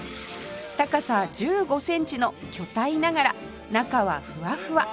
高さ１５センチの巨体ながら中はふわふわ